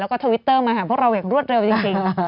แล้วก็ทวิตเตอร์มาหาพวกเราอย่างรวดเร็วจริง